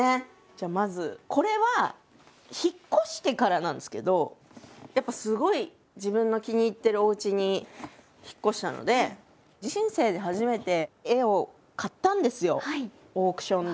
じゃあまずこれは引っ越してからなんですけどやっぱすごい自分の気に入ってるおうちに引っ越したので人生で初めて絵を買ったんですよオークションで。